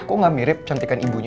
kok gak mirip cantikan ibunya